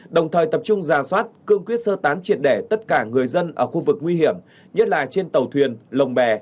đồng thời tập trung ra soát cương quyết sơ tán triệt đẻ tất cả người dân ở khu vực nguy hiểm nhất là trên tàu thuyền lồng bè